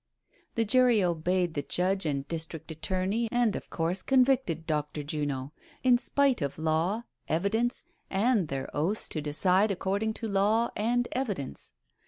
The jui*y obeyed the judge and district attorney, and of course convicted Dr. Juno, in spite of law, evidence and their oaths to decide according to law and evidence.